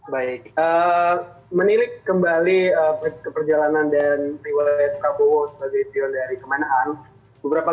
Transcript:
baik menilik kembali ke perjalanan dan riwayat prabowo sebagai pion dari kemanaan beberapa